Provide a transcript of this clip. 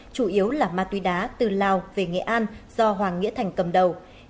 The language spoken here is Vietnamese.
chủ yếu là ma túy đá từ lào về nghệ an do hoàng nghĩa thành cầm đầu